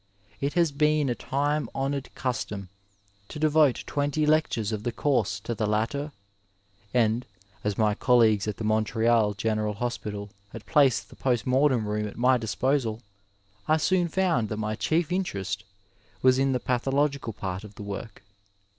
It has been a time honouied custom to devote twenty lectures of the couise to the latter, and as my collea gues at the Montreal General Hospital had placed the post mortem room at my disposal I soon found that my chief interest was in the pathological part of the work.